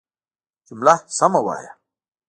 جمله سمه وايه!